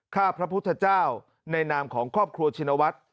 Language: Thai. ข้าพระพุทธเจ้าในนามของครอบครัวชินวัฒน์